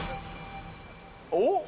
おっ？